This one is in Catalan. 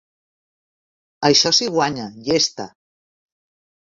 Això si guanya, llesta!